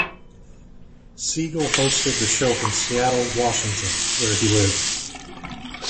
Siegel hosted the show from Seattle, Washington, where he lived.